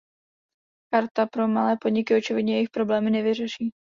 Charta pro malé podniky očividně jejich problémy nevyřeší.